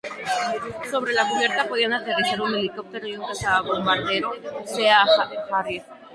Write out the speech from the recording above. Sobre la cubierta podían aterrizar un helicóptero y un cazabombardero Sea Harrier.